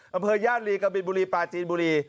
อำเภอย่านลีกะบินบุรีปลาจีนบุรี